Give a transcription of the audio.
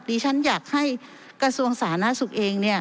ดิฉันอยากให้กระทรวงสาธารณสุขเอง